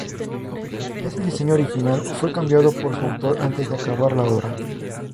El diseño original fue cambiado por su autor antes de acabar la obra.